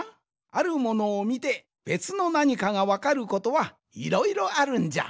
あるものをみてべつのなにかがわかることはいろいろあるんじゃ。